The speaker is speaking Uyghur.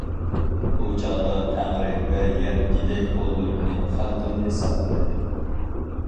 ئۇ چاغدا تەڭرى ۋە يەر دېدەك قوللىرىمنى، خەلقىمنى ساقلىدى.